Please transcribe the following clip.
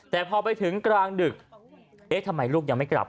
แต่พอไปถึงกลางดึกเอ๊ะทำไมลูกยังไม่กลับ